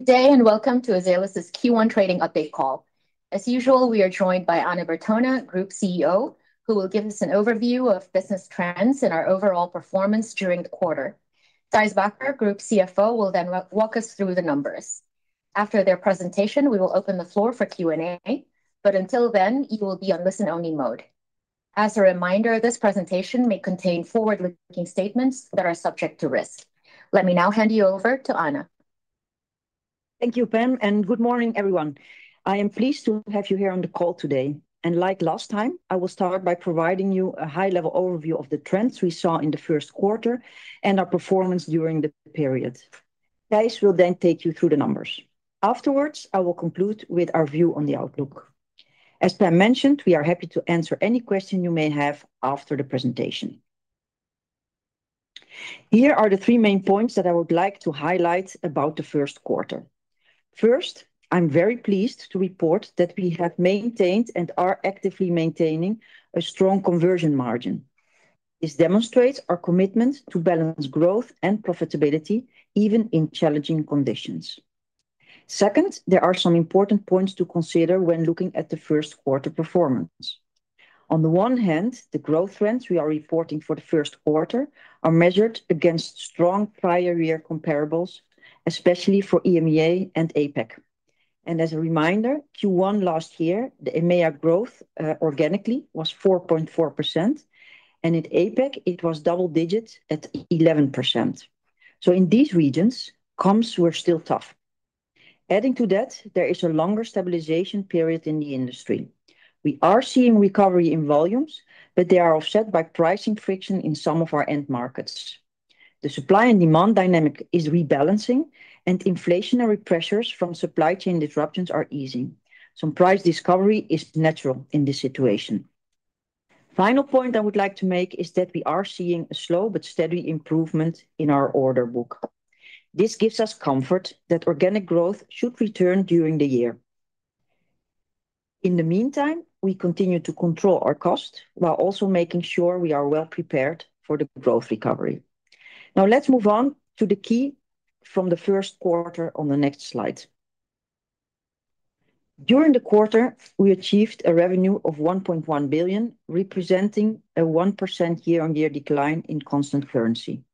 Today, and welcome to Azelis's Q1 trading update call. As usual, we are joined by Anna Bertona, Group CEO, who will give us an overview of business trends and our overall performance during the quarter. Thijs Bakker, Group CFO, will then walk us through the numbers. After their presentation, we will open the floor for Q&A, but until then, you will be on listen-only mode. As a reminder, this presentation may contain forward-looking statements that are subject to risk. Let me now hand you over to Anna. Thank you, Pam, and good morning, everyone. I am pleased to have you here on the call today, and like last time, I will start by providing you a high-level overview of the trends we saw in the first quarter and our performance during the period. Thijs will then take you through the numbers. Afterwards, I will conclude with our view on the outlook. As Pam mentioned, we are happy to answer any question you may have after the presentation. Here are the three main points that I would like to highlight about the first quarter. First, I'm very pleased to report that we have maintained and are actively maintaining a strong conversion margin. This demonstrates our commitment to balance growth and profitability, even in challenging conditions. Second, there are some important points to consider when looking at the first quarter performance. On the one hand, the growth trends we are reporting for the first quarter are measured against strong prior year comparables, especially for EMEA and APAC. And as a reminder, Q1 last year, the EMEA growth, organically was 4.4%, and in APAC, it was double-digits at 11%. So in these regions, comps were still tough. Adding to that, there is a longer stabilization period in the industry. We are seeing recovery in volumes, but they are offset by pricing friction in some of our end markets. The supply and demand dynamic is rebalancing, and inflationary pressures from supply chain disruptions are easing. Some price discovery is natural in this situation. Final point I would like to make is that we are seeing a slow but steady improvement in our order book. This gives us comfort that organic growth should return during the year. In the meantime, we continue to control our cost, while also making sure we are well prepared for the growth recovery. Now, let's move on to the key from the first quarter on the next slide. During the quarter, we achieved a revenue of 1.1 billion, representing a 1% year-on-year decline in constant currency.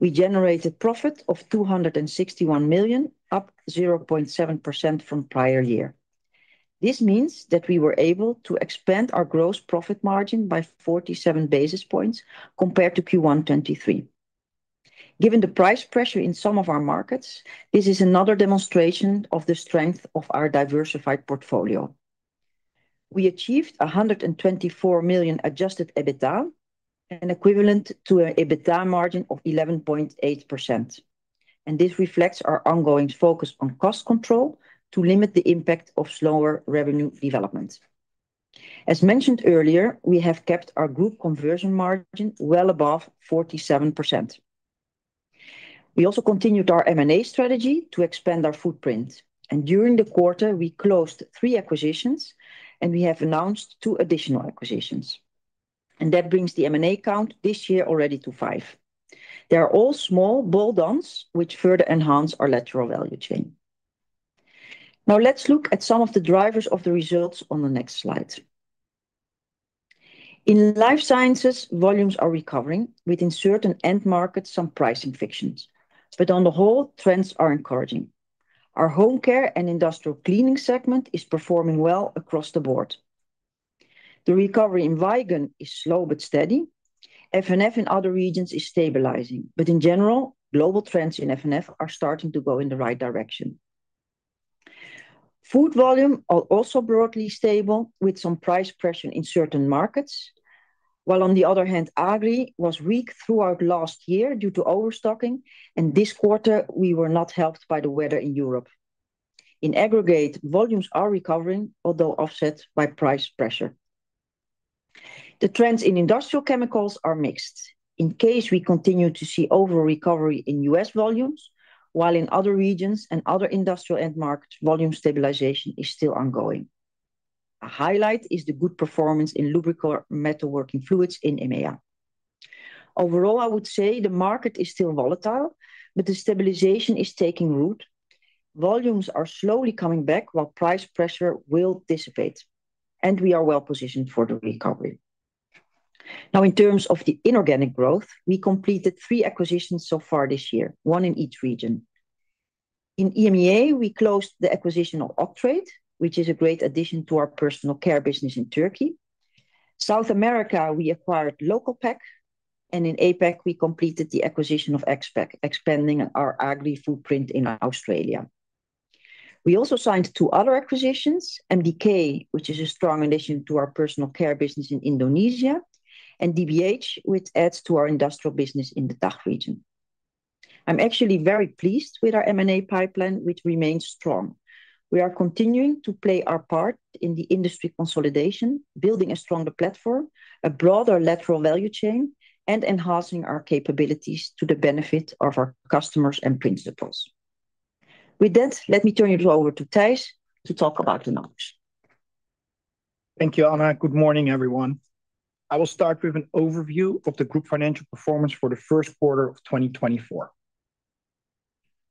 We generated profit of 261 million, up 0.7% from prior year. This means that we were able to expand our gross profit margin by 47 basis points compared to Q1 2023. Given the price pressure in some of our markets, this is another demonstration of the strength of our diversified portfolio. We achieved 124 million Adjusted EBITDA, equivalent to an EBITDA margin of 11.8%, and this reflects our ongoing focus on cost control to limit the impact of slower revenue development. As mentioned earlier, we have kept our group conversion margin well above 47%. We also continued our M&A strategy to expand our footprint, and during the quarter, we closed three acquisitions, and we have announced two additional acquisitions. That brings the M&A count this year already to five. They are all small bolt-ons, which further enhance our lateral value chain. Now, let's look at some of the drivers of the results on the next slide. In Life Sciences, volumes are recovering within certain end markets, some pricing frictions, but on the whole, trends are encouraging. Our Home Care and Industrial Cleaning segment is performing well across the board. The recovery in EMEA is slow but steady. F&F in other regions is stabilizing, but in general, global trends in F&F are starting to go in the right direction. Food volume are also broadly stable, with some price pressure in certain markets, while on the other hand, Agri was weak throughout last year due to overstocking, and this quarter, we were not helped by the weather in Europe. In aggregate, volumes are recovering, although offset by price pressure. The trends in Industrial Chemicals are mixed. In CASE we continue to see over recovery in U.S. volumes, while in other regions and other industrial end markets, volume stabilization is still ongoing. A highlight is the good performance in Lubricants & Metalworking Fluids in EMEA. Overall, I would say the market is still volatile, but the stabilization is taking root. Volumes are slowly coming back, while price pressure will dissipate, and we are well positioned for the recovery. Now, in terms of the inorganic growth, we completed three acquisitions so far this year, one in each region. In EMEA, we closed the acquisition of Oktrade, which is a great addition to our Personal Care business in Turkey. South America, we acquired Localpack, and in APAC, we completed the acquisition of Agspec, expanding our Agri footprint in Australia. We also signed two other acquisitions, MDK, which is a strong addition to our Personal Care business in Indonesia, and DBH, which adds to our industrial business in the DACH region. I'm actually very pleased with our M&A pipeline, which remains strong. We are continuing to play our part in the industry consolidation, building a stronger platform, a broader lateral value chain, and enhancing our capabilities to the benefit of our customers and principals. With that, let me turn it over to Thijs to talk about the numbers.... Thank you, Anna. Good morning, everyone. I will start with an overview of the group financial performance for the first quarter of 2024.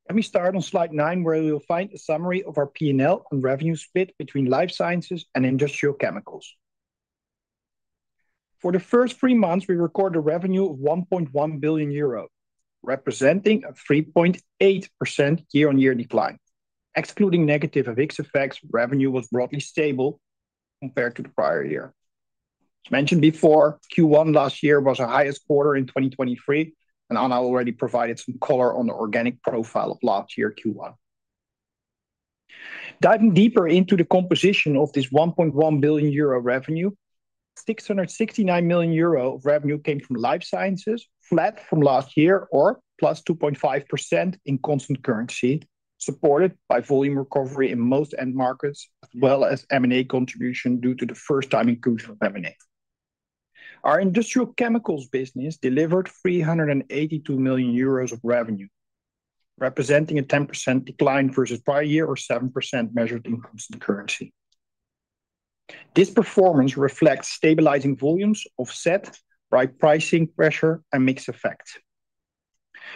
Let me start on slide nine, where you'll find a summary of our P&L and revenue split between Life Sciences and Industrial Chemicals. For the first three months, we recorded a revenue of 1.1 billion euro, representing a 3.8% year-on-year decline. Excluding negative effects, revenue was broadly stable compared to the prior year. As mentioned before, Q1 last year was our highest quarter in 2023, and Anna already provided some color on the organic profile of last year, Q1. Diving deeper into the composition of this 1.1 billion euro revenue, 669 million euro of revenue came from Life Sciences, flat from last year, or +2.5% in constant currency, supported by volume recovery in most end markets, as well as M&A contribution, due to the first-time inclusion of M&A. Our Industrial Chemicals business delivered 382 million euros of revenue, representing a 10% decline versus prior year or 7% measured in constant currency. This performance reflects stabilizing volumes offset by pricing pressure and mix effects.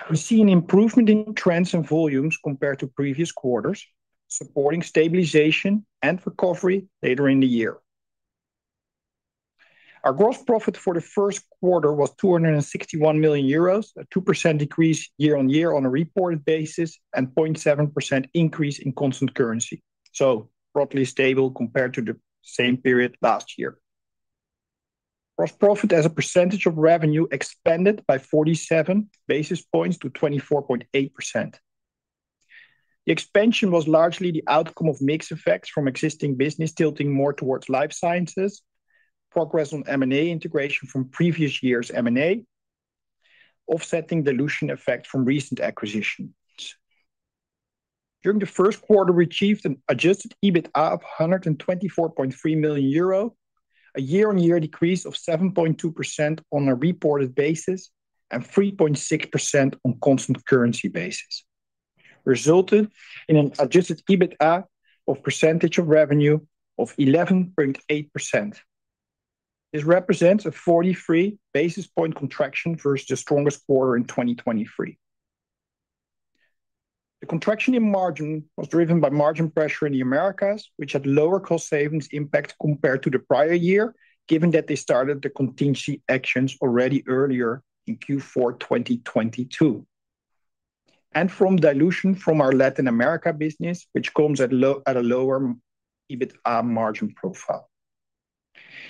We see an improvement in trends and volumes compared to previous quarters, supporting stabilization and recovery later in the year. Our gross profit for the first quarter was 261 million euros, a 2% decrease year-on-year on a reported basis, and 0.7% increase in constant currency, so broadly stable compared to the same period last year. Gross profit as a percentage of revenue expanded by 47 basis points to 24.8%. The expansion was largely the outcome of mix effects from existing business tilting more towards Life Sciences, progress on M&A integration from previous years' M&A, offsetting dilution effect from recent acquisitions. During the first quarter, we achieved an Adjusted EBITDA of 124.3 million euro, a year-on-year decrease of 7.2% on a reported basis, and 3.6% on constant currency basis, resulting in an Adjusted EBITDA of percentage of revenue of 11.8%. This represents a 43 basis point contraction versus the strongest quarter in 2023. The contraction in margin was driven by margin pressure in the Americas, which had lower cost savings impact compared to the prior year, given that they started the contingency actions already earlier in Q4 2022, and from dilution from our Latin America business, which comes at a lower EBITDA margin profile.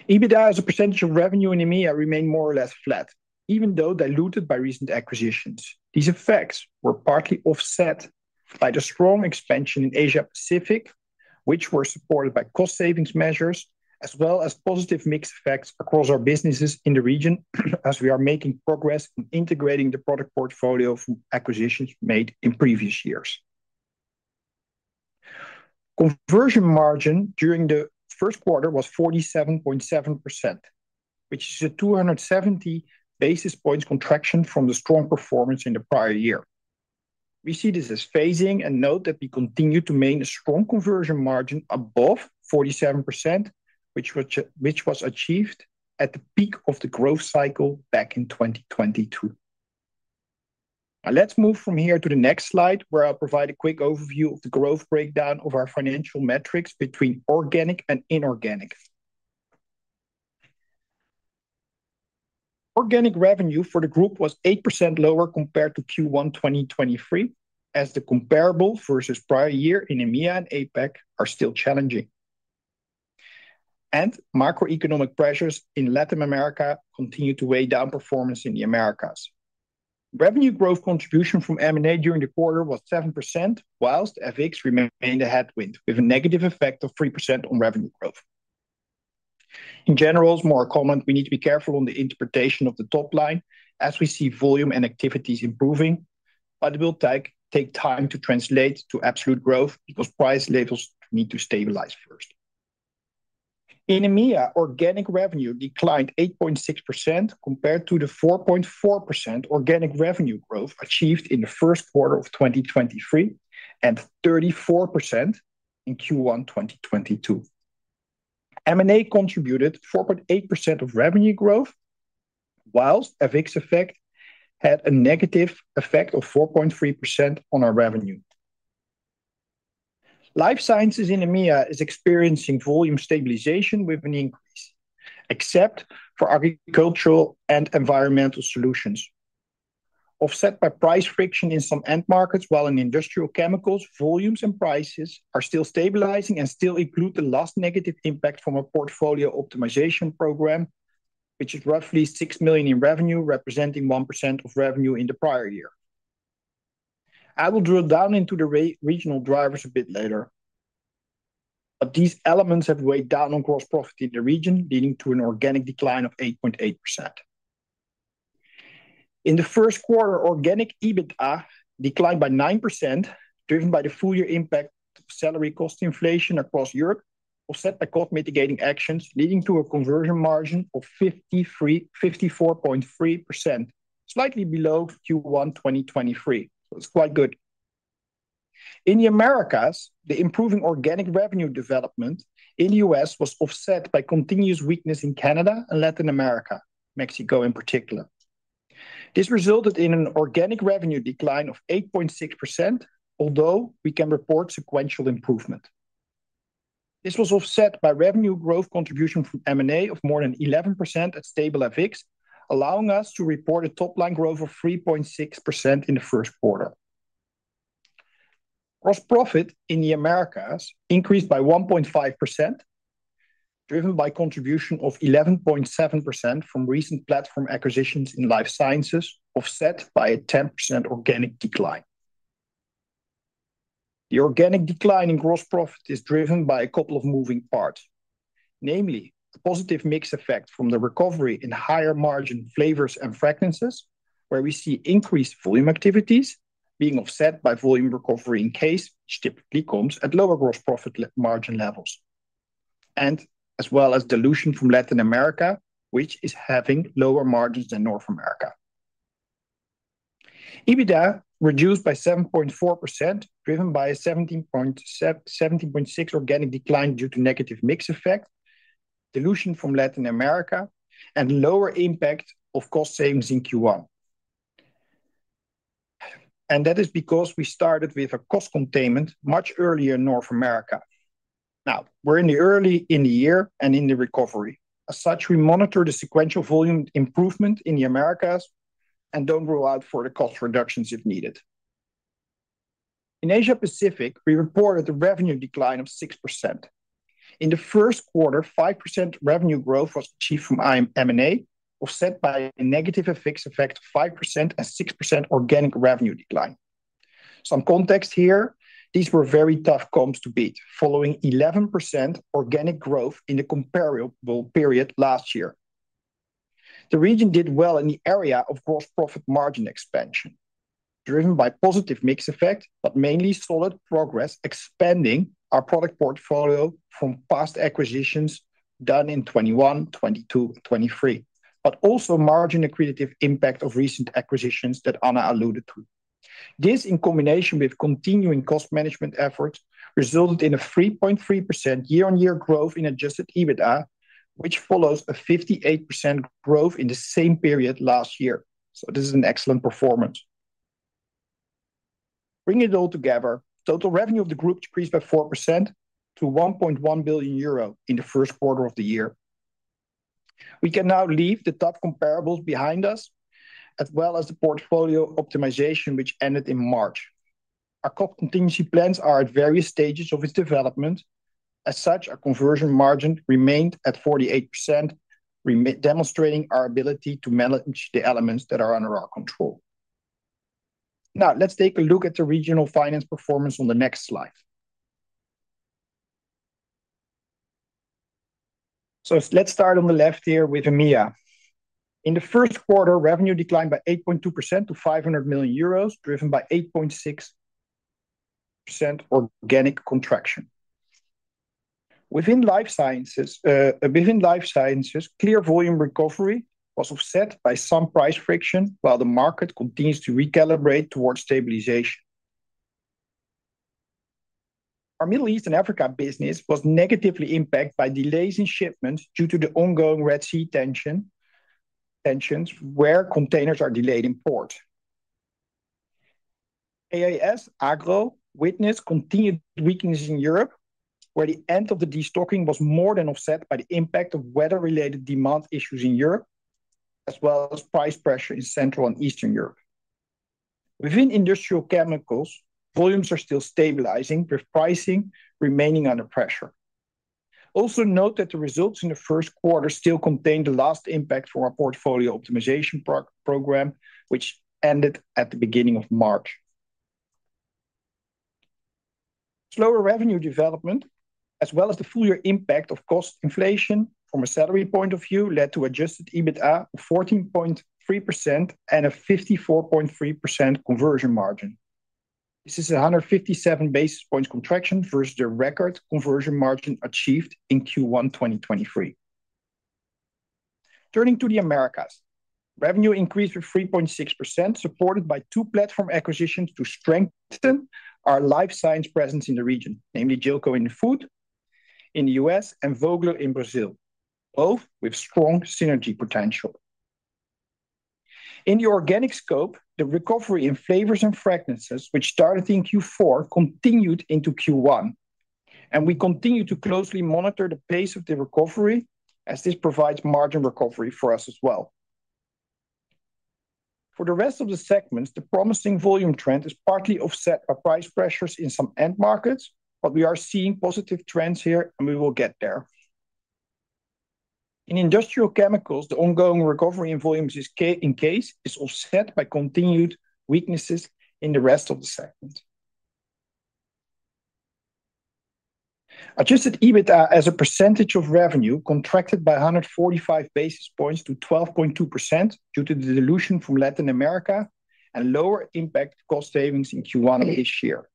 EBITDA as a percentage of revenue in EMEA remained more or less flat, even though diluted by recent acquisitions. These effects were partly offset by the strong expansion in Asia Pacific, which were supported by cost savings measures, as well as positive mix effects across our businesses in the region, as we are making progress in integrating the product portfolio from acquisitions made in previous years. Conversion margin during the first quarter was 47.7%, which is a 270 basis points contraction from the strong performance in the prior year. We see this as phasing and note that we continue to maintain a strong conversion margin above 47%, which was achieved at the peak of the growth cycle back in 2022. Now, let's move from here to the next slide, where I'll provide a quick overview of the growth breakdown of our financial metrics between organic and inorganic. Organic revenue for the group was 8% lower compared to Q1 2023, as the comparable versus prior year in EMEA and APAC are still challenging, and macroeconomic pressures in Latin America continue to weigh down performance in the Americas. Revenue growth contribution from M&A during the quarter was 7%, while FX remained a headwind, with a negative effect of 3% on revenue growth. In general, as more common, we need to be careful on the interpretation of the top line as we see volume and activities improving, but it will take time to translate to absolute growth because price levels need to stabilize first. In EMEA, organic revenue declined 8.6% compared to the 4.4% organic revenue growth achieved in the first quarter of 2023, and 34% in Q1 2022. M&A contributed 4.8% of revenue growth, while FX effect had a negative effect of 4.3% on our revenue. Life Sciences in EMEA is experiencing volume stabilization with an increase, except for Agricultural & Environmental Solutions, offset by price friction in some end markets, while in Industrial Chemicals, volumes and prices are still stabilizing and still include the last negative impact from a portfolio optimization program, which is roughly 6 million in revenue, representing 1% of revenue in the prior year. I will drill down into the regional drivers a bit later, but these elements have weighed down on gross profit in the region, leading to an organic decline of 8.8%. In the first quarter, organic EBITDA declined by 9%, driven by the full year impact of salary cost inflation across Europe, offset by cost-mitigating actions, leading to a conversion margin of 54.3%, slightly below Q1 2023. So it's quite good. In the Americas, the improving organic revenue development in the U.S. was offset by continuous weakness in Canada and Latin America, Mexico in particular. This resulted in an organic revenue decline of 8.6%, although we can report sequential improvement. This was offset by revenue growth contribution from M&A of more than 11% at stable FX, allowing us to report a top-line growth of 3.6% in the first quarter. Gross profit in the Americas increased by 1.5%, driven by contribution of 11.7% from recent platform acquisitions in Life Sciences, offset by a 10% organic decline. The organic decline in gross profit is driven by a couple of moving parts, namely the positive mix effect from the recovery in higher margin Flavors & Fragrances, where we see increased volume activities being offset by volume recovery in CASE, which typically comes at lower gross profit margin levels, as well as dilution from Latin America, which is having lower margins than North America. EBITDA reduced by 7.4%, driven by a 17.6 organic decline due to negative mix effect, dilution from Latin America, and lower impact of cost savings in Q1. That is because we started with a cost containment much earlier in North America. Now, we're early in the year and in the recovery. As such, we monitor the sequential volume improvement in the Americas and don't rule out further cost reductions if needed. In Asia Pacific, we reported a revenue decline of 6%. In the first quarter, 5% revenue growth was achieved from inorganic M&A, offset by a negative FX effect of 5% and 6% organic revenue decline. Some context here, these were very tough comps to beat, following 11% organic growth in the comparable period last year. The region did well in the area of gross profit margin expansion, driven by positive mix effect, but mainly solid progress expanding our product portfolio from past acquisitions done in 2021, 2022, and 2023, but also margin accretive impact of recent acquisitions that Anna alluded to. This, in combination with continuing cost management efforts, resulted in a 3.3% year-on-year growth in Adjusted EBITDA, which follows a 58% growth in the same period last year. So this is an excellent performance. Bringing it all together, total revenue of the group decreased by 4% to 1.1 billion euro in the first quarter of the year. We can now leave the top comparables behind us, as well as the portfolio optimization, which ended in March. Our cost contingency plans are at various stages of its development. As such, our conversion margin remained at 48%, demonstrating our ability to manage the elements that are under our control. Now, let's take a look at the regional financial performance on the next slide. Let's start on the left here with EMEA. In the first quarter, revenue declined by 8.2% to 500 million euros, driven by 8.6% organic contraction. Within Life Sciences, within Life Sciences, clear volume recovery was offset by some price friction, while the market continues to recalibrate towards stabilization. Our Middle East and Africa business was negatively impacted by delays in shipments due to the ongoing Red Sea tensions, where containers are delayed in port. Azelis Agro witnessed continued weakness in Europe, where the end of the destocking was more than offset by the impact of weather-related demand issues in Europe, as well as price pressure in Central and Eastern Europe. Within Industrial Chemicals, volumes are still stabilizing, with pricing remaining under pressure. Also note that the results in the first quarter still contain the last impact from our portfolio optimization program, which ended at the beginning of March. Slower revenue development, as well as the full year impact of cost inflation from a salary point of view, led to Adjusted EBITDA of 14.3% and a 54.3% conversion margin. This is a 157 basis points contraction versus the record conversion margin achieved in Q1 2023. Turning to the Americas, revenue increased by 3.6%, supported by two platform acquisitions to strengthen our Life Sciences presence in the region, namely Gillco in Food in the U.S. and Vogler in Brazil, both with strong synergy potential. In the organic scope, the recovery in Flavors & Fragrances, which started in Q4, continued into Q1, and we continue to closely monitor the pace of the recovery, as this provides margin recovery for us as well. For the rest of the segments, the promising volume trend is partly offset by price pressures in some end markets, but we are seeing positive trends here, and we will get there. In Industrial Chemicals, the ongoing recovery in volumes is, in CASE, offset by continued weaknesses in the rest of the segment. Adjusted EBITDA as a percentage of revenue contracted by 145 basis points to 12.2% due to the dilution from Latin America and lower impact cost savings in Q1 this year.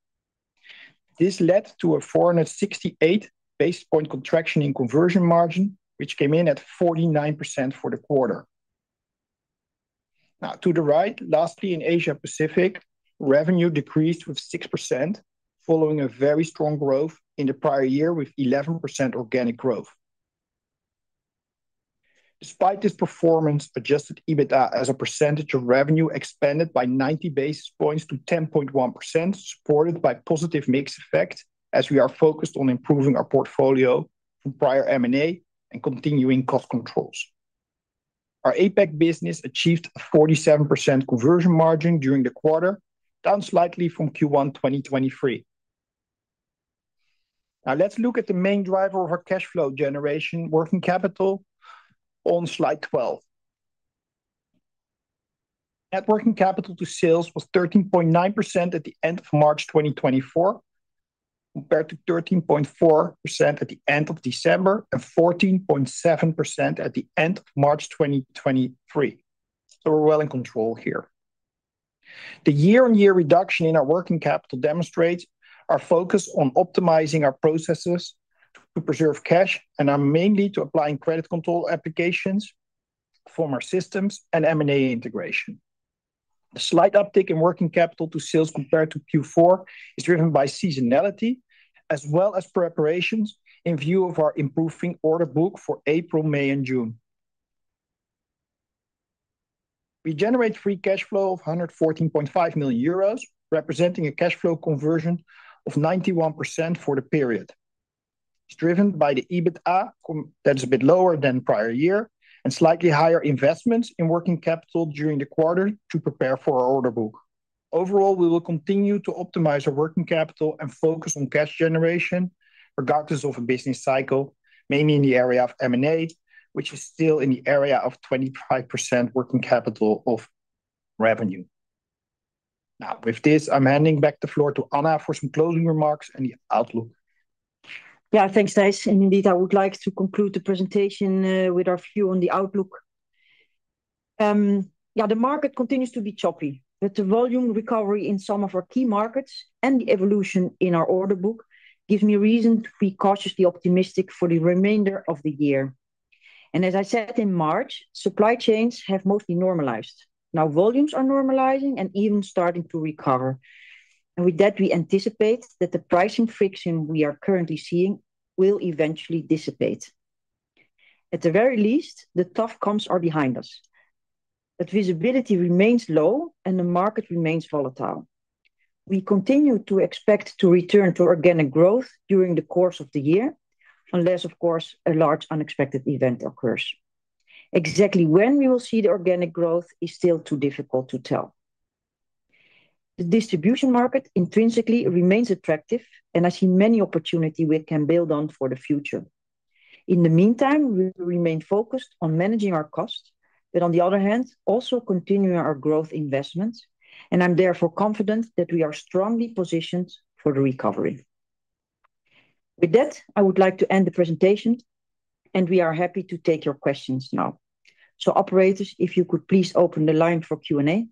This led to a 468 basis point contraction in conversion margin, which came in at 49% for the quarter. Now, to the right, lastly, in Asia Pacific, revenue decreased with 6%, following a very strong growth in the prior year, with 11% organic growth. Despite this performance, Adjusted EBITDA as a percentage of revenue expanded by 90 basis points to 10.1%, supported by positive mix effect, as we are focused on improving our portfolio from prior M&A and continuing cost controls. Our APAC business achieved a 47% conversion margin during the quarter, down slightly from Q1 2023. Now, let's look at the main driver of our cash flow generation, working capital, on slide 12. Net working capital to sales was 13.9% at the end of March 2024, compared to 13.4% at the end of December, and 14.7% at the end of March 2023. So we're well in control here. The year-on-year reduction in our working capital demonstrates our focus on optimizing our processes to preserve cash, and are mainly to applying credit control applications from our systems and M&A integration. The slight uptick in working capital to sales compared to Q4 is driven by seasonality, as well as preparations in view of our improving order book for April, May, and June. We generate free cash flow of 114.5 million euros, representing a cash flow conversion of 91% for the period. It's driven by the EBITDA that is a bit lower than prior year, and slightly higher investments in working capital during the quarter to prepare for our order book. Overall, we will continue to optimize our working capital and focus on cash generation regardless of a business cycle, mainly in the area of M&A, which is still in the area of 25% working capital of revenue. Now, with this, I'm handing back the floor to Anna for some closing remarks and the outlook. Yeah, thanks, Thijs, and indeed, I would like to conclude the presentation with our view on the outlook. Yeah, the market continues to be choppy, but the volume recovery in some of our key markets and the evolution in our order book gives me reason to be cautiously optimistic for the remainder of the year. And as I said in March, supply chains have mostly normalized. Now, volumes are normalizing and even starting to recover. And with that, we anticipate that the pricing friction we are currently seeing will eventually dissipate. At the very least, the tough comps are behind us, but visibility remains low and the market remains volatile. We continue to expect to return to organic growth during the course of the year, unless, of course, a large unexpected event occurs. Exactly when we will see the organic growth is still too difficult to tell. The distribution market intrinsically remains attractive, and I see many opportunities we can build on for the future. In the meantime, we will remain focused on managing our costs, but on the other hand, also continuing our growth investments, and I'm therefore confident that we are strongly positioned for the recovery. With that, I would like to end the presentation, and we are happy to take your questions now. So operators, if you could please open the line for Q&A.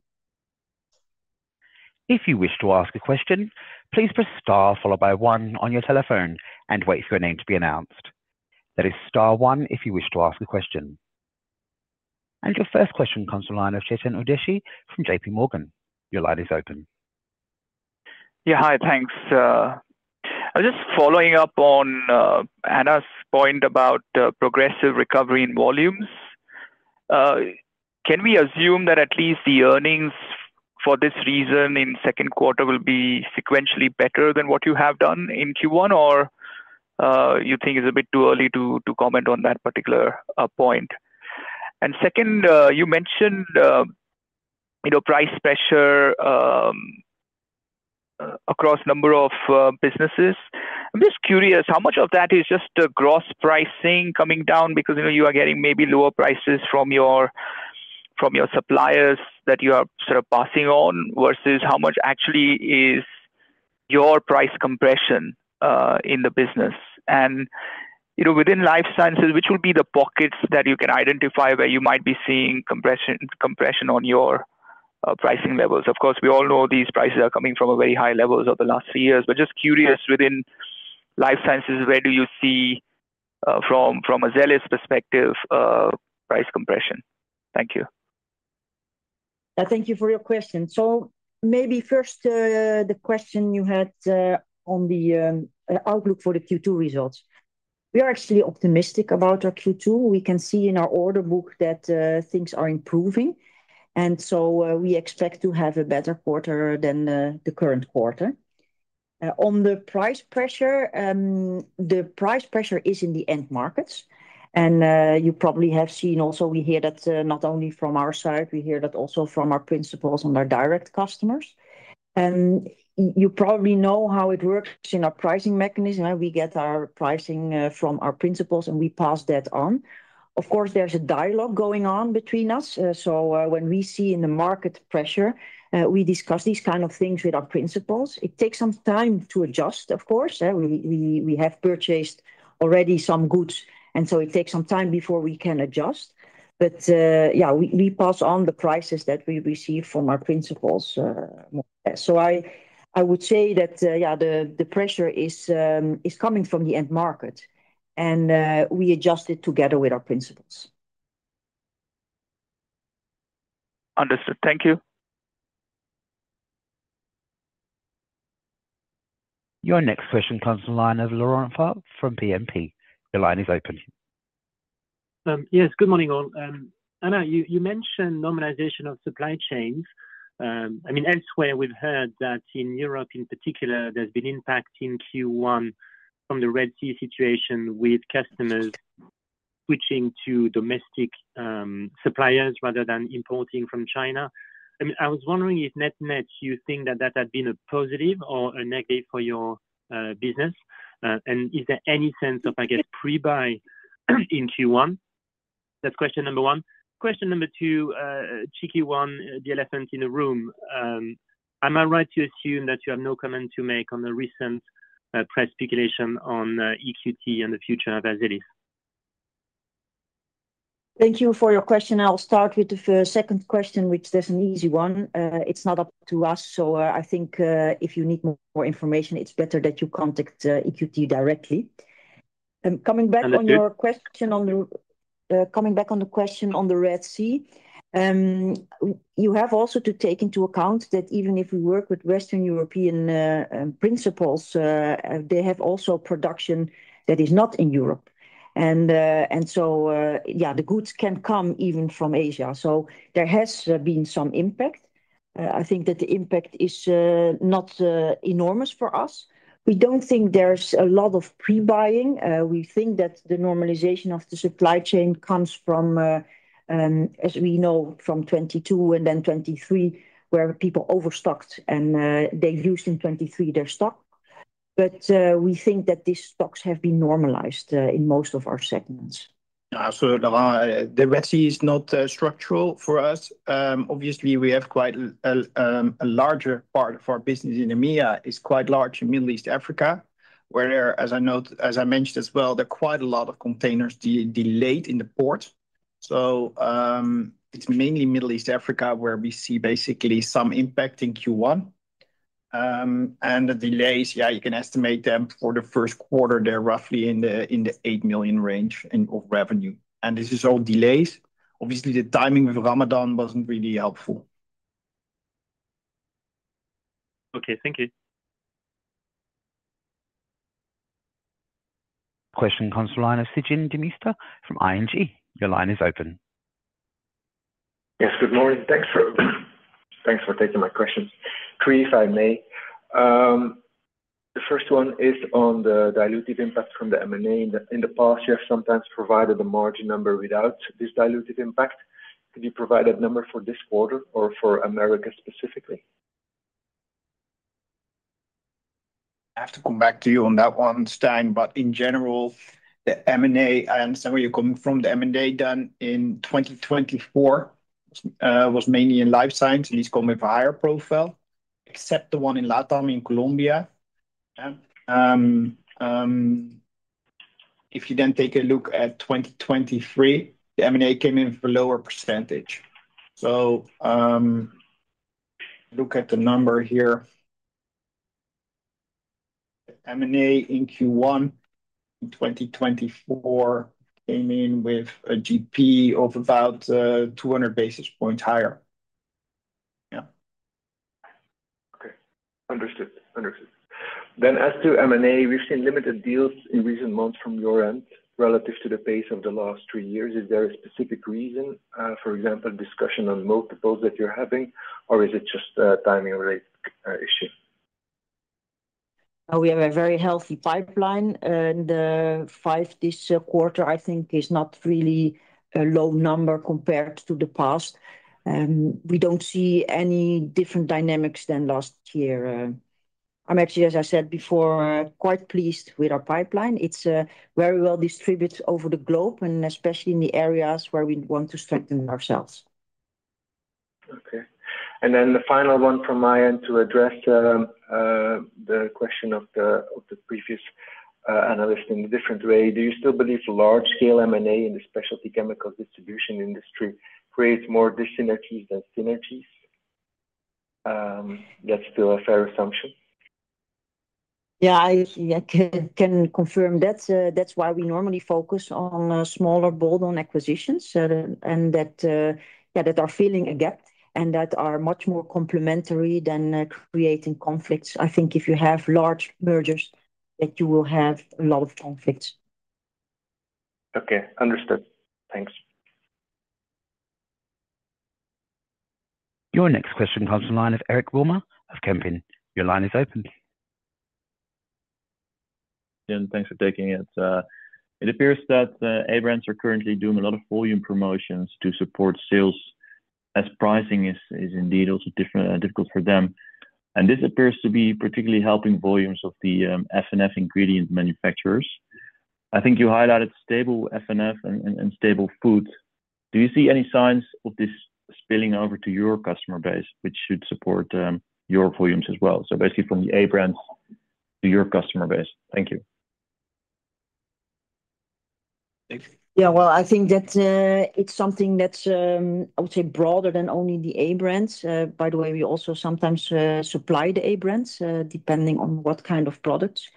If you wish to ask a question, please press star followed by one on your telephone and wait for your name to be announced. That is star one if you wish to ask a question. And your first question comes from the line of Chetan Udeshi from JPMorgan. Your line is open. Yeah, hi. Thanks. I was just following up on Anna's point about the progressive recovery in volumes. Can we assume that at least the earnings for this reason in second quarter will be sequentially better than what you have done in Q1, or you think it's a bit too early to comment on that particular point? And second, you mentioned, you know, price pressure across a number of businesses. I'm just curious, how much of that is just a gross pricing coming down because, you know, you are getting maybe lower prices from your suppliers that you are sort of passing on, versus how much actually is your price compression in the business? You know, within Life Sciences, which would be the pockets that you can identify where you might be seeing compression, compression on your pricing levels? Of course, we all know these prices are coming from a very high levels over the last few years, but just curious, within Life Sciences, where do you see, from, from an Azelis perspective, price compression? Thank you. Thank you for your question. So maybe first, the question you had, on the outlook for the Q2 results. We are actually optimistic about our Q2. We can see in our order book that, things are improving, and so, we expect to have a better quarter than, the current quarter. On the price pressure, the price pressure is in the end markets, and, you probably have seen also we hear that, not only from our side, we hear that also from our principals and our direct customers. And you probably know how it works in our pricing mechanism. We get our pricing, from our principals, and we pass that on. Of course, there's a dialogue going on between us, so, when we see in the market pressure, we discuss these kind of things with our principals. It takes some time to adjust, of course. We have purchased already some goods, and so it takes some time before we can adjust. But, yeah, we pass on the prices that we receive from our principals. So I would say that, yeah, the pressure is coming from the end market, and we adjust it together with our principals. Understood. Thank you.... Your next question comes from the line of Laurent Favre from BNP. Your line is open. Yes, good morning, all. Anna, you mentioned normalization of supply chains. I mean, elsewhere, we've heard that in Europe, in particular, there's been impact in Q1 from the Red Sea situation, with customers switching to domestic suppliers rather than importing from China. I mean, I was wondering if net/net, you think that that had been a positive or a negative for your business? And is there any sense of, I guess, pre-buy in Q1? That's question number one. Question number two, cheeky one, the elephant in the room. Am I right to assume that you have no comment to make on the recent price speculation on EQT and the future of Azelis? Thank you for your question. I'll start with the first-second question, which is an easy one. It's not up to us, so I think, if you need more information, it's better that you contact, EQT directly. Coming back on your question on the-coming back on the question on the Red Sea, you have also to take into account that even if we work with Western European, principles, they have also production that is not in Europe. And, and so, yeah, the goods can come even from Asia. So there has been some impact. I think that the impact is not enormous for us. We don't think there's a lot of pre-buying. We think that the normalization of the supply chain comes from, as we know, from 2022 and then 2023, where people overstocked and, they reduced in 2023 their stock. But, we think that these stocks have been normalized, in most of our segments. Yeah, so the Red Sea is not structural for us. Obviously, we have quite a larger part of our business in EMEA, is quite large in Middle East and Africa, where, as I mentioned as well, there are quite a lot of containers delayed in the port. So, it's mainly Middle East and Africa, where we see basically some impact in Q1. And the delays, yeah, you can estimate them for the first quarter, they're roughly in the 8 million range of revenue. And this is all delays. Obviously, the timing of Ramadan wasn't really helpful. Okay, thank you. Question comes from the line of Stijn Demeester from ING. Your line is open. Yes, good morning. Thanks for, thanks for taking my questions. Three, if I may. The first one is on the dilutive impact from the M&A. In the, in the past, you have sometimes provided a margin number without this dilutive impact. Could you provide a number for this quarter or for America specifically? I have to come back to you on that one, Stijn, but in general, the M&A, I understand where you're coming from. The M&A done in 2024 was mainly in Life Science, and it's come with a higher profile, except the one in LATAM, in Colombia. If you then take a look at 2023, the M&A came in with a lower percentage. Look at the number here. The M&A in Q1, in 2024, came in with a GP of about 200 basis points higher. Yeah. Okay. Understood. Understood. Then, as to M&A, we've seen limited deals in recent months from your end relative to the pace of the last three years. Is there a specific reason, for example, discussion on multiples that you're having, or is it just a timing-related issue? We have a very healthy pipeline, and five this quarter, I think, is not really a low number compared to the past. We don't see any different dynamics than last year. I'm actually, as I said before, quite pleased with our pipeline. It's very well distributed over the globe, and especially in the areas where we want to strengthen ourselves. Okay. And then the final one from my end, to address the question of the previous analyst in a different way. Do you still believe large-scale M&A in the specialty chemical distribution industry creates more dyssynergies than synergies? That's still a fair assumption? Yeah, I can confirm. That's why we normally focus on smaller, bolt-on acquisitions, and that yeah that are filling a gap and that are much more complementary than creating conflicts. I think if you have large mergers, that you will have a lot of conflicts. Okay, understood. Thanks. Your next question comes from the line of Eric Wilmer of Kempen. Your line is open. And thanks for taking it. It appears that A-brands are currently doing a lot of volume promotions to support sales, as pricing is indeed also difficult for them. And this appears to be particularly helping volumes of the F&F ingredient manufacturers. I think you highlighted stable F&F and stable Foods. Do you see any signs of this spilling over to your customer base, which should support your volumes as well? So basically, from the A-brands to your customer base. Thank you. Thanks. Yeah, well, I think that it's something that's I would say broader than only the A-brands. By the way, we also sometimes supply the A-brands depending on what kind of products.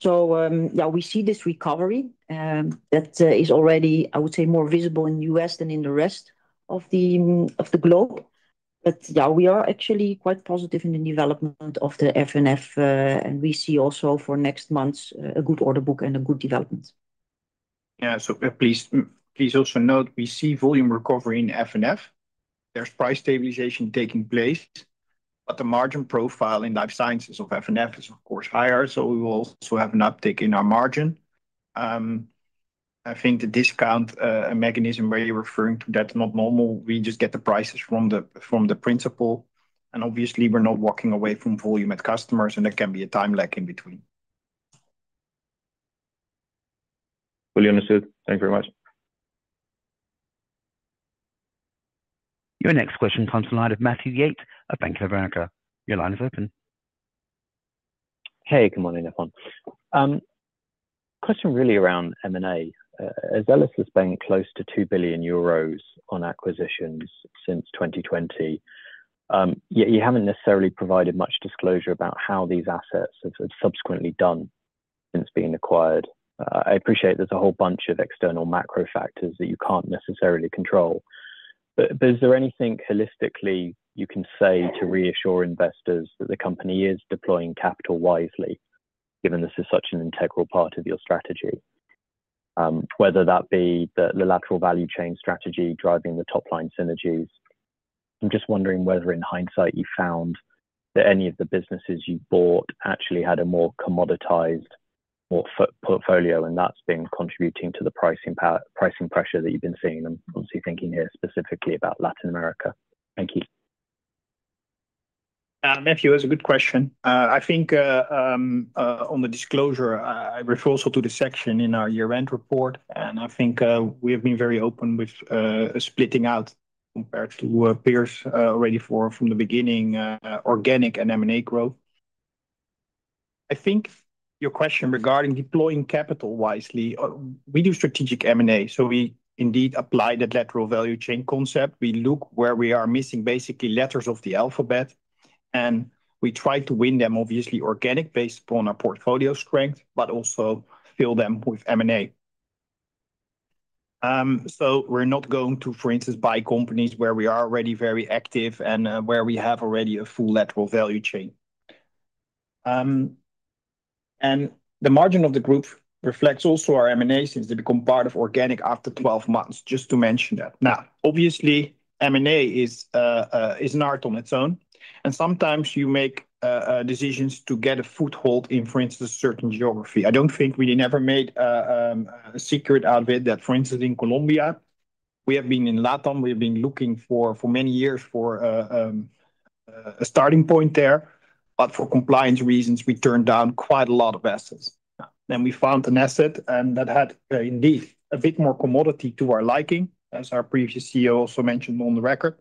So, yeah, we see this recovery that is already I would say more visible in U.S. than in the rest of the of the globe. But yeah, we are actually quite positive in the development of the F&F and we see also for next month's a good order book and a good development. Yeah. So, please also note, we see volume recovery in F&F. There's price stabilization taking place, but the margin profile in Life Sciences of F&F is, of course, higher, so we will also have an uptick in our margin. I think the discount mechanism where you're referring to, that's not normal. We just get the prices from the principal, and obviously, we're not walking away from volume at customers, and there can be a time lag in between. Fully understood. Thank you very much. Your next question comes from the line of Matthew Yates at Bank of America. Your line is open. Hey, good morning, everyone. Question really around M&A as well as spending close to 2 billion euros on acquisitions since 2020, yet you haven't necessarily provided much disclosure about how these assets have subsequently done since being acquired. I appreciate there's a whole bunch of external macro factors that you can't necessarily control, but is there anything holistically you can say to reassure investors that the company is deploying capital wisely, given this is such an integral part of your strategy? Whether that be the lateral value chain strategy, driving the top-line synergies. I'm just wondering whether, in hindsight, you found that any of the businesses you bought actually had a more commoditized or portfolio, and that's been contributing to the pricing pressure that you've been seeing, and I'm obviously thinking here specifically about Latin America. Thank you. Matthew, that's a good question. I think on the disclosure, I refer also to the section in our year-end report, and I think we have been very open with splitting out compared to peers already from the beginning organic and M&A growth. I think your question regarding deploying capital wisely, we do strategic M&A, so we indeed apply that lateral value chain concept. We look where we are missing, basically, letters of the alphabet, and we try to win them, obviously, organic, based upon our portfolio strength, but also fill them with M&A. So we're not going to, for instance, buy companies where we are already very active and where we have already a full lateral value chain. And the margin of the group reflects also our M&A since they become part of organic after 12 months, just to mention that. Now, obviously, M&A is an art on its own, and sometimes you make decisions to get a foothold in, for instance, certain geography. I don't think we never made a secret out of it, that, for instance, in Colombia, we have been in LATAM. We've been looking for many years for a starting point there, but for compliance reasons, we turned down quite a lot of assets. Then we found an asset, and that had, indeed, a bit more commodity to our liking, as our previous CEO also mentioned on the record.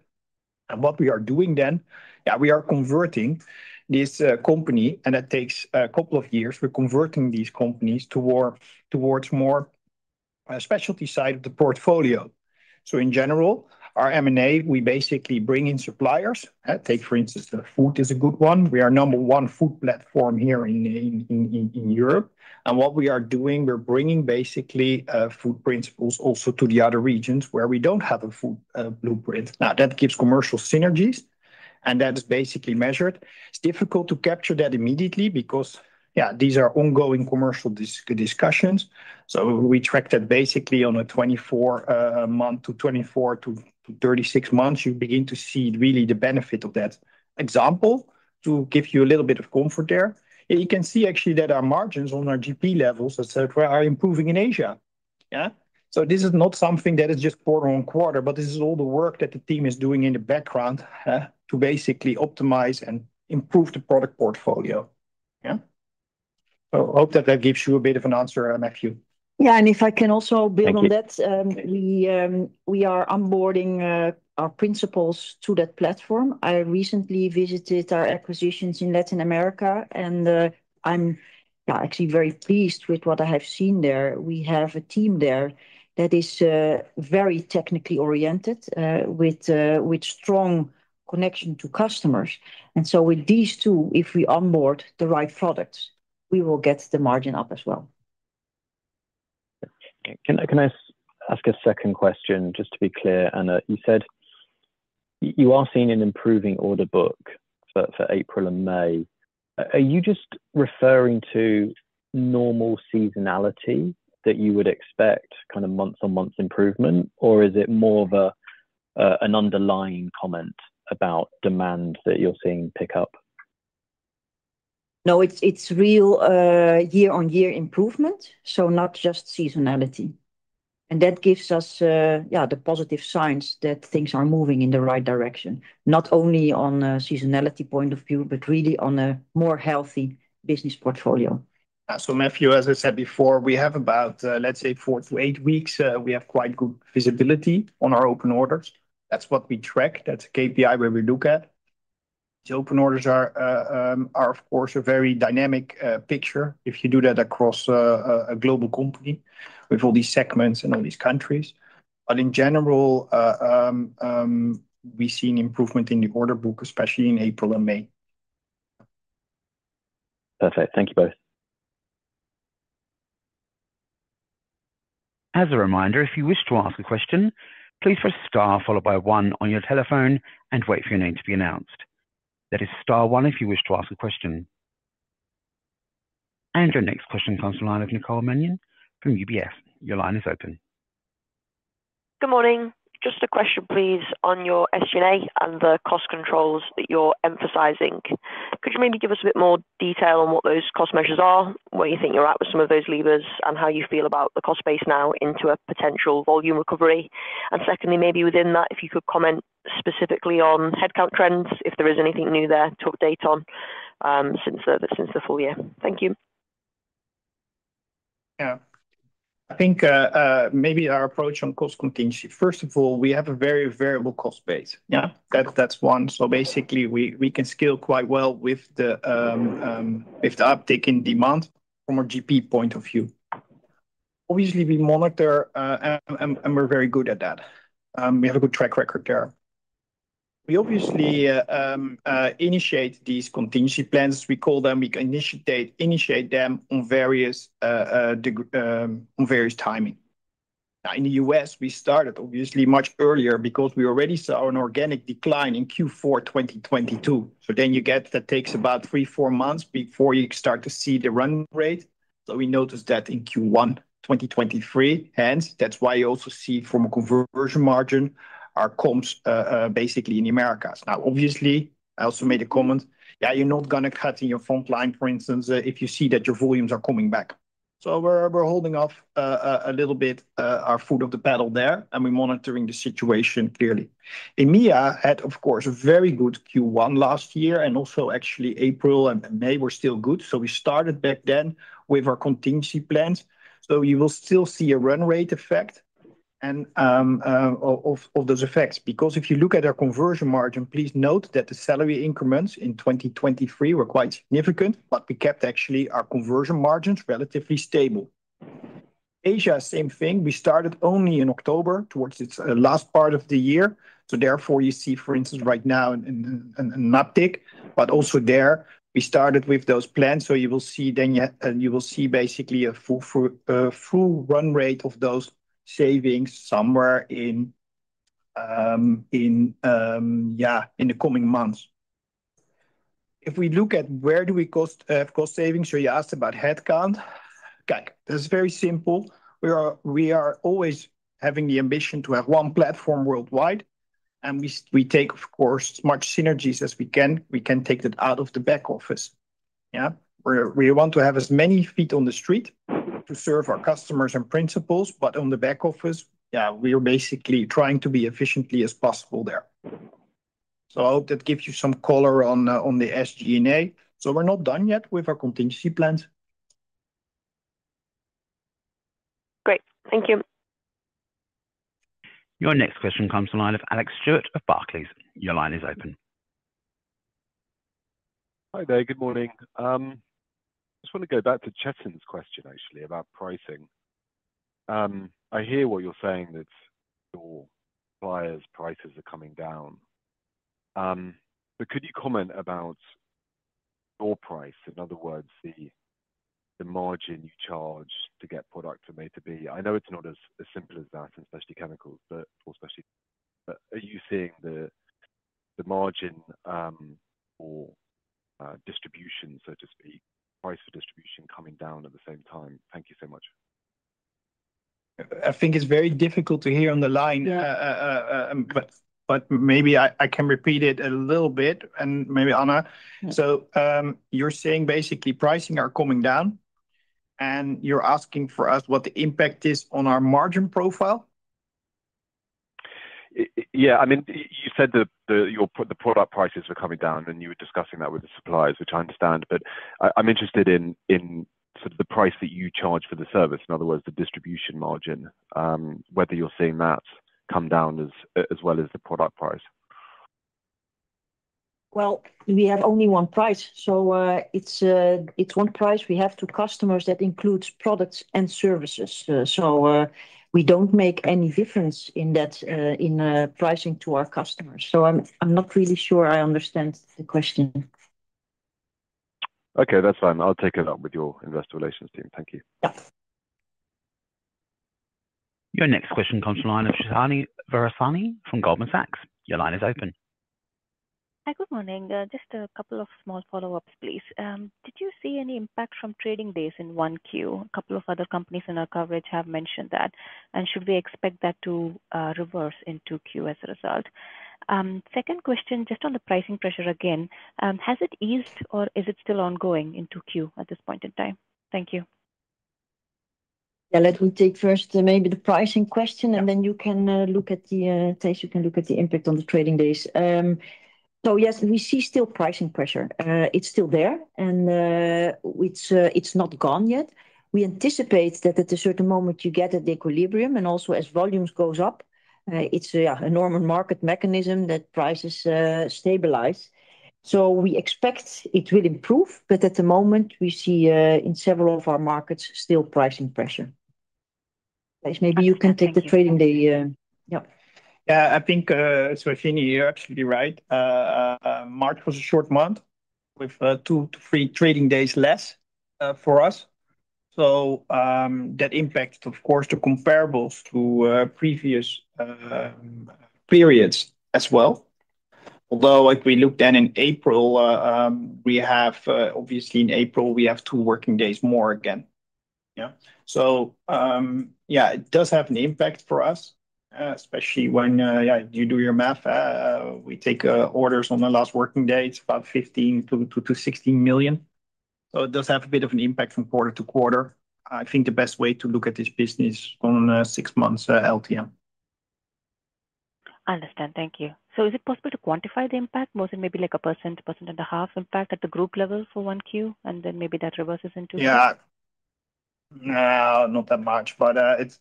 And what we are doing then, yeah, we are converting this company, and that takes a couple of years. We're converting these companies toward more specialty side of the portfolio. So in general, our M&A, we basically bring in suppliers. Take, for instance, the Food is a good one. We are number one Food platform here in Europe. And what we are doing, we're bringing basically Food principals also to the other regions where we don't have a Food blueprint. Now, that gives commercial synergies, and that's basically measured. It's difficult to capture that immediately because, yeah, these are ongoing commercial discussions. So we track that basically on a 24- to 36-month, you begin to see really the benefit of that. Example, to give you a little bit of comfort there, you can see actually that our margins on our GP levels, et cetera, are improving in Asia. Yeah? So this is not something that is just quarter-on-quarter, but this is all the work that the team is doing in the background, huh, to basically optimize and improve the product portfolio. Yeah. So hope that that gives you a bit of an answer, Matthew. Yeah, and if I can also build on that- Thank you. We are onboarding our principals to that platform. I recently visited our acquisitions in Latin America, and I'm actually very pleased with what I have seen there. We have a team there that is very technically oriented, with strong connection to customers. And so with these two, if we onboard the right products, we will get the margin up as well. Can I ask a second question, just to be clear? Anna, you said you are seeing an improving order book for April and May. Are you just referring to normal seasonality that you would expect, kind of month-on-month improvement, or is it more of a an underlying comment about demand that you're seeing pick up? No, it's real year-on-year improvement, so not just seasonality. That gives us yeah, the positive signs that things are moving in the right direction, not only on a seasonality point of view, but really on a more healthy business portfolio. So Matthew, as I said before, we have about, let's say, four-eight weeks, we have quite good visibility on our open orders. That's what we track. That's a KPI where we look at. The open orders are, of course, a very dynamic picture if you do that across a global company with all these segments and all these countries. But in general, we've seen improvement in the order book, especially in April and May. Perfect. Thank you both.... As a reminder, if you wish to ask a question, please press star followed by one on your telephone and wait for your name to be announced. That is star one if you wish to ask a question. Our next question comes from the line of Nicole Manion from UBS. Your line is open. Good morning. Just a question, please, on your SG&A and the cost controls that you're emphasizing. Could you maybe give us a bit more detail on what those cost measures are, where you think you're at with some of those levers, and how you feel about the cost base now into a potential volume recovery? And secondly, maybe within that, if you could comment specifically on headcount trends, if there is anything new there to update on, since the full year. Thank you. Yeah. I think, maybe our approach on cost contingency. First of all, we have a very variable cost base. Yeah, that's, that's one. So basically, we can scale quite well with the uptick in demand from a GP point of view. Obviously, we monitor, and we're very good at that. We have a good track record there. We obviously initiate these contingency plans, we call them. We initiate them on various timing. Now, in the U.S., we started obviously much earlier because we already saw an organic decline in Q4 2022. So then you get, that takes about three-four months before you start to see the run rate. So we noticed that in Q1 2023. Hence, that's why you also see from a conversion margin, our comps basically in Americas. Now, obviously, I also made a comment, yeah, you're not gonna cut in your front line, for instance, if you see that your volumes are coming back. So we're holding off a little bit our foot off the pedal there, and we're monitoring the situation clearly. EMEA had, of course, a very good Q1 last year, and also actually April and May were still good, so we started back then with our contingency plans. So you will still see a run rate effect and of those effects. Because if you look at our conversion margin, please note that the salary increments in 2023 were quite significant, but we kept actually our conversion margins relatively stable. Asia, same thing. We started only in October, towards its last part of the year. So therefore, you see, for instance, right now an uptick, but also there, we started with those plans, so you will see then yet—and you will see basically a full run rate of those savings somewhere in, yeah, in the coming months. If we look at where do we cost cost savings, so you asked about headcount. Okay, this is very simple. We are always having the ambition to have one platform worldwide, and we take, of course, as much synergies as we can. We can take that out of the back office. Yeah. We want to have as many feet on the street to serve our customers and principals, but on the back office, yeah, we are basically trying to be efficiently as possible there. So I hope that gives you some color on the, on the SG&A. So we're not done yet with our contingency plans. Great. Thank you. Your next question comes from the line of Alex Stewart of Barclays. Your line is open. Hi there. Good morning. I just want to go back to Chetan's question, actually, about pricing. I hear what you're saying, that your buyers' prices are coming down. But could you comment about your price, in other words, the margin you charge to get product from A to B? I know it's not as simple as that, especially chemicals, but or especially. But are you seeing the margin or distribution, so to speak, price for distribution coming down at the same time? Thank you so much. I think it's very difficult to hear on the line. Yeah. But maybe I can repeat it a little bit, and maybe Anna. Yeah. You're saying basically, pricing are coming down, and you're asking for us what the impact is on our margin profile? Yeah, I mean, you said that the, your, the product prices were coming down, and you were discussing that with the suppliers, which I understand. But I, I'm interested in, in sort of the price that you charge for the service, in other words, the distribution margin, whether you're seeing that come down as, as well as the product price? Well, we have only one price, so it's one price we have to customers that includes products and services. So we don't make any difference in that in pricing to our customers. So I'm not really sure I understand the question. Okay, that's fine. I'll take it up with your investor relations team. Thank you. Yeah. Your next question comes from the line of Suhasini Varanasi from Goldman Sachs. Your line is open. Hi, good morning. Just a couple of small follow-ups, please. Did you see any impact from trading days in 1Q? A couple of other companies in our coverage have mentioned that, and should we expect that to reverse in 2Q as a result? Second question, just on the pricing pressure again, has it eased or is it still ongoing in 2Q at this point in time? Thank you. Yeah, let me take first maybe the pricing question, and then you can look at the rest, you can look at the impact on the trading days. So yes, we see still pricing pressure. It's still there, and it's not gone yet. We anticipate that at a certain moment, you get at the equilibrium, and also as volumes goes up, it's yeah, a normal market mechanism that prices stabilize. So we expect it will improve, but at the moment, we see in several of our markets still pricing pressure. Maybe you can take the trading day... Yeah. Yeah, I think, Suhasini, you're absolutely right. March was a short month with two to three trading days less for us. So, that impacts, of course, the comparables to previous periods as well. Although, if we look then in April, we have obviously in April, we have two working days more again. Yeah. So, yeah, it does have an impact for us, especially when yeah, you do your math, we take orders on the last working day. It's about 15 million-16 million, so it does have a bit of an impact from quarter-to-quarter. I think the best way to look at this business on a six months / LTM. I understand. Thank you. Is it possible to quantify the impact? Was it maybe like 1%, 1.5% impact at the group level for 1Q, and then maybe that reverses in 2Q? Yeah. No, not that much, but it's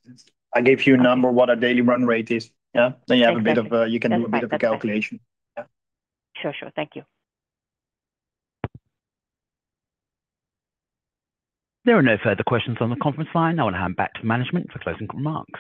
I gave you a number, what our daily run rate is. Yeah? Okay. Then you have a bit of a- That's better. You can make the calculation. Yeah. Sure, sure. Thank you. There are no further questions on the conference line. I want to hand back to management for closing remarks.